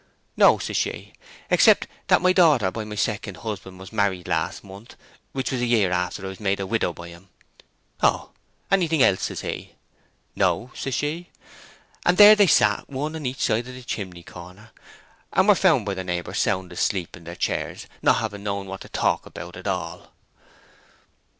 'No,' says she, 'except that my daughter by my second husband was married last month, which was a year after I was made a widow by him.' 'Oh! Anything else?' he says. 'No,' says she. And there they sat, one on each side of that chimney corner, and were found by their neighbors sound asleep in their chairs, not having known what to talk about at all."